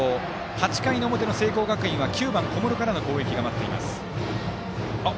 ８回の表の聖光学院は９番小室からの攻撃が待っています。